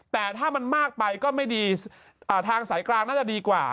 แต่ถ้ามันมากไปก็ไม่ดีทางสายกลางน่าจะดีกว่า